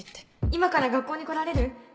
今から学校に来られる？